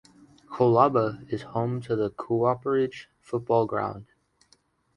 Colaba is home to the Cooperage Football Ground.